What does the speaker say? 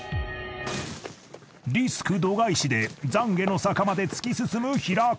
［リスク度外視で懺悔の坂まで突き進む平子］